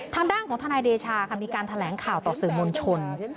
ทางด้านของทนายเดชาค่ะมีการแถลงข่าวต่อสื่อมวลชน